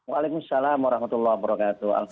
waalaikumsalam warahmatullahi wabarakatuh